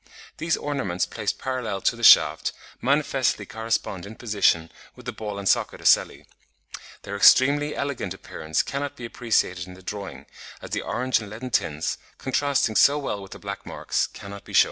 These ornaments placed parallel to the shaft, manifestly correspond in position with the ball and socket ocelli. Their extremely elegant appearance cannot be appreciated in the drawing, as the orange and leaden tints, contrasting so well with the black marks, cannot be shewn.